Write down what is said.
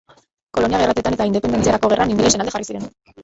Kolonia-gerrateetan eta independentziarako gerran ingelesen alde jarri ziren.